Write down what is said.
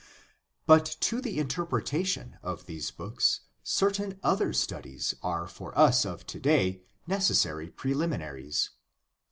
— But to the interpretation of these books certain other studies are for us of today necessary prehminaries.